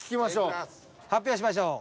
発表しましょう。